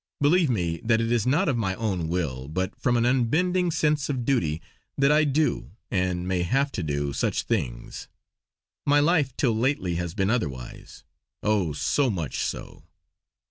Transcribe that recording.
Believe me that it is not of my own will, but from an unbending sense of duty that I do and may have to do such things; my life till lately has been otherwise, oh! so much so!